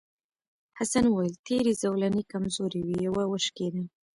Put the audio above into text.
حسن وویل تېرې زولنې کمزورې وې یوه وشکېده.